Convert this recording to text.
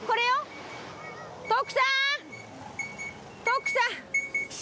徳さん。